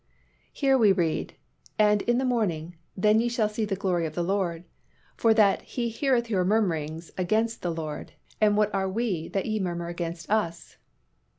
Here we read, "And in the morning, then ye shall see the glory of the LORD; for that He heareth your murmurings against the LORD: and what are we that ye murmur against us?"